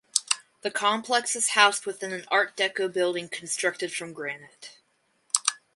The complex is housed within an art deco building constructed from granite.